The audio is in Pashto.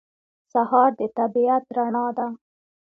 سهار د طبیعت رڼا ده.